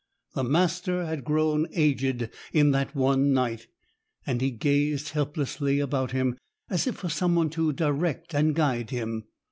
The master had grown aged in that one night, and he gazed helplessly about him, as if for some one to direct and guide him.